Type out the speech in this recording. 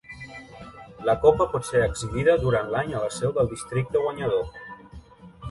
La copa pot ser exhibida durant l'any a la seu del districte guanyador.